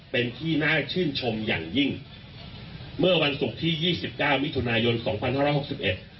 เป็นที่น่าชื่นชมอย่างยิ่งเมื่อวันศุกร์ที่ยี่สิบเก้ามิถุนายนสองพันห้าร้อยหกสิบเอ็ด